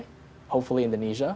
semoga di indonesia